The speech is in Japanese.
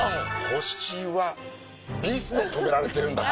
星はビスで留められてるんだと。